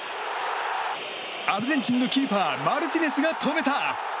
アルゼンチンのキーパーマルティネスが止めた！